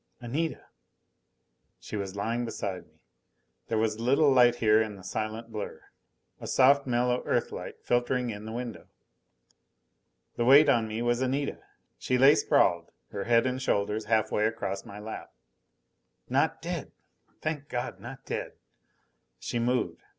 Anita She was lying beside me. There was a little light here in the silent blur a soft mellow Earthlight filtering in the window. The weight on me was Anita. She lay sprawled, her head and shoulders half way across my lap. Not dead! Thank God, not dead! She moved.